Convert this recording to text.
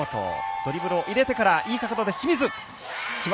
ドリブルを入れてからいい角度で清水。